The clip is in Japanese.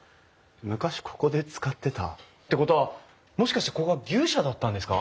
昔ここで使ってた？ってことはもしかしてここは牛舎だったんですか？